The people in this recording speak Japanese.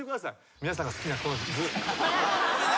皆さんが好きなこの図。